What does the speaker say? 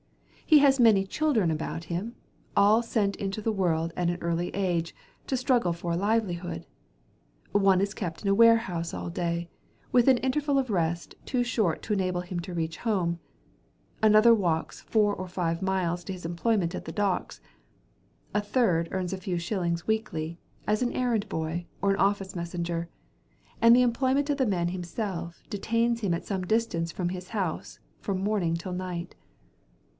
He has many children about him, all sent into the world at an early age, to struggle for a livelihood; one is kept in a warehouse all day, with an interval of rest too short to enable him to reach home, another walks four or five miles to his employment at the docks, a third earns a few shillings weekly, as an errand boy, or office messenger; and the employment of the man himself, detains him at some distance from his home from morning till night.